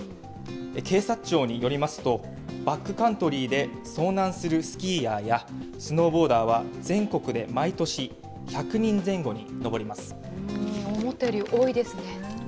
警察庁によりますと、バックカントリーで遭難するスキーヤーやスノーボーダーは全国で思ったより多いですね。